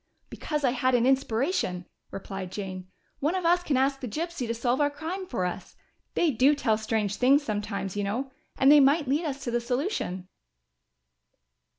"Because I had an inspiration," replied Jane. "One of us can ask the gypsy to solve our crime for us! They do tell strange things, sometimes, you know and they might lead us to the solution!"